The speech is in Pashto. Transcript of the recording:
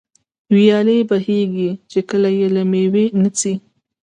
ويالې بهېږي، چي كله ئې له مېوې نه څه